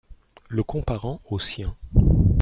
Le comparant au sien.